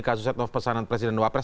kasus set of pesanan presiden wapres